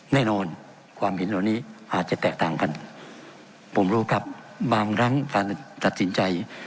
แน่นอนความเห็นเหล่านี้อาจจะแตกต่างกันผมรู้ครับบางครั้งการตัดสินใจ